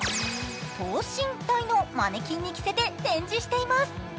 等身大のマネキンに着せて展示しています。